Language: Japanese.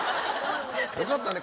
よかったね